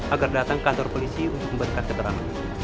agar datang ke kantor polisi untuk memberikan keterangan